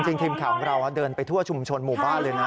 ทีมข่าวของเราเดินไปทั่วชุมชนหมู่บ้านเลยนะ